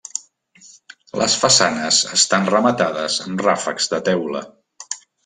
Les façanes estan rematades amb ràfecs de teula.